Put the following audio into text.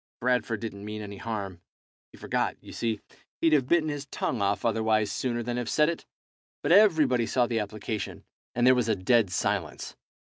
Bradford didn't mean any harm; he forgot, you see. He'd have bitten his tongue off otherwise sooner than have said it. But everybody saw the application, and there was a dead silence.